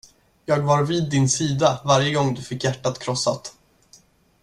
Jag var vid din sida varje gång du fick hjärtat krossat.